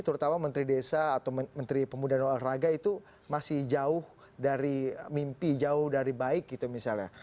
terutama menteri desa atau menteri pemuda dan olahraga itu masih jauh dari mimpi jauh dari baik gitu misalnya